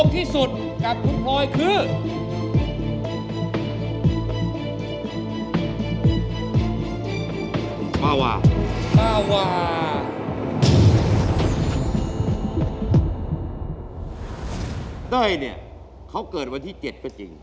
เต้ยเนี่ยเขาเกิดวันที่๗ก็จริง